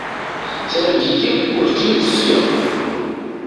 Targit-w urǧin teffiɣ.